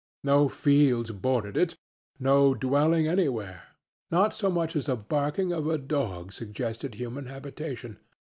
No fields bordered it, no dwelling anywhere. Not so much as the barking of a dog suggested human habitation.